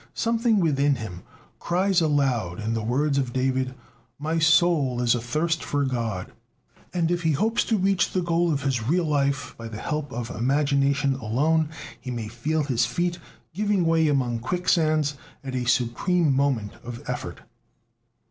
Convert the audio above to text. Something within him cries aloud in the words of David: "My soul is a thirst for God." And if he hopes to reach the goal of his real life by the help of imagination alone, he may feel his feet giving way among quicksands at a supreme moment of effort.